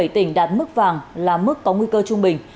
ba mươi bảy tỉnh đạt mức vàng là mức có nguy cơ trung bình